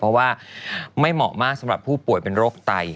เพราะว่าไม่เหมาะมากสำหรับผู้ป่วยเป็นโรคไต